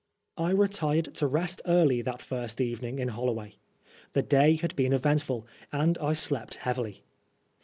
I retired to rest early that first evening in HoUoway. The day had been eventful, and I slept heavily.